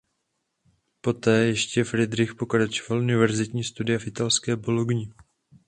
Poté ještě Fridrich pokračoval univerzitní studia v italské Bologni.